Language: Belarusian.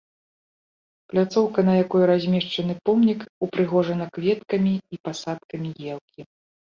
Пляцоўка, на якой размешчаны помнік, упрыгожана кветкамі і пасадкамі елкі.